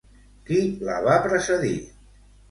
Qui la va precedir?